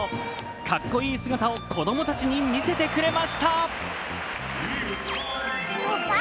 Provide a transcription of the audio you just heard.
かっこいい姿を子供たちに見せてくれました。